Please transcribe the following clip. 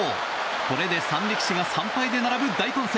これで３力士が３敗で並ぶ大混戦。